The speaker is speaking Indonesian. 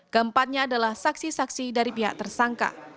keempatnya adalah saksi saksi dari pihak tersangka